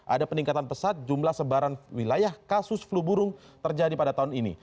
ada peningkatan pesat jumlah sebaran wilayah kasus flu burung terjadi pada tahun ini